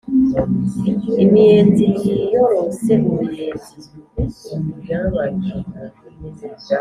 imiyenzi yiyorose uruyenzi